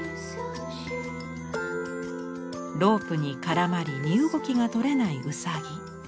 ロープに絡まり身動きが取れないウサギ。